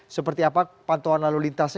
seperti apa pantauan lalu lintasnya